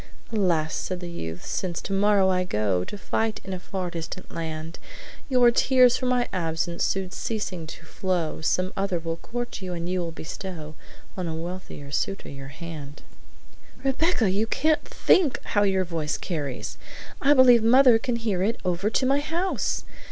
"'Alas!' said the youth, since tomorrow I go To fight in a far distant land, Your tears for my absence soon ceasing to flow, Some other will court you, and you will bestow On a wealthier suitor your hand.'" "Rebecca, you can't THINK how your voice carries! I believe mother can hear it over to my house!"